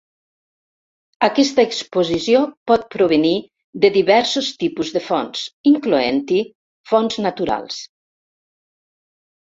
Aquesta exposició pot provenir de diversos tipus de fonts, incloent-hi fonts naturals.